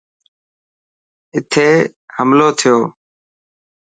اٿي حملو ٿيو.